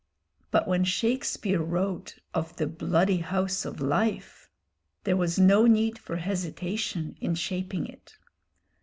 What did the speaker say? But when Shakespeare wrote of "The bloody house of life," there was no need for hesitation in shaping it.